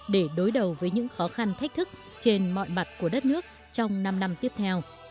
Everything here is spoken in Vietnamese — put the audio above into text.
để đối đầu với những khó khăn thách thức trên mọi mặt của đất nước trong năm năm tiếp theo